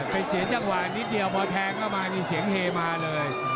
เสียจังหวะนิดเดียวพอแทงเข้ามานี่เสียงเฮมาเลย